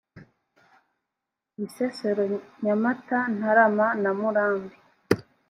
bisesero nyamata ntarama na murambi